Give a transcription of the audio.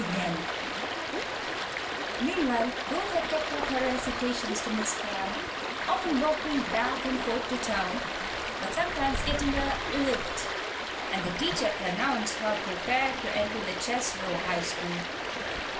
Meanwhile, Ruth had kept up her recitations to Miss Cramp, often walking back and forth to town, but sometimes getting "a lift," and the teacher pronounced her prepared to enter the Cheslow High School.